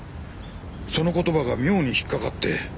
その言葉が妙に引っかかって。